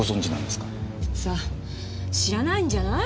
さあ知らないんじゃない。